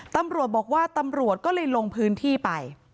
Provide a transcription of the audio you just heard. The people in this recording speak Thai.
ตำรวจบอกว่าตำรวจก็เลยลงพื้นที่ไป